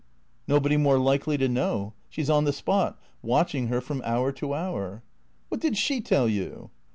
Nobody more likely to know. She 's on the spot, watching her from hour to hour." "What did she tell you?"